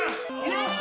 よし！